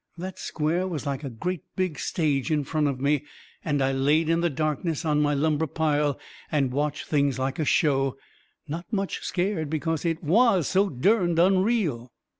That square was like a great big stage in front of me, and I laid in the darkness on my lumber pile and watched things like a show not much scared because it WAS so derned unreal.